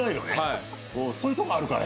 そういうところあるからな。